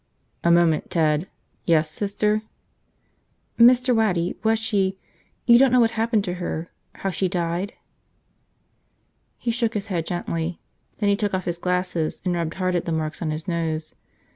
"A moment, Ted. Yes, Sister?" "Mr. Waddy, was she – you don't know what happened to her, how she died?" He shook his head gently. Then he took off his glasses and rubbed hard at the marks on his nose.